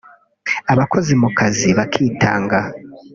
abakozi mu kazi bakitanga